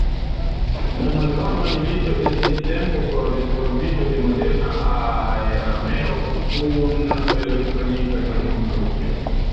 La Malvarma milito estis tempo por disvolviĝo de moderna aerarmeo kun elektronika teknologio.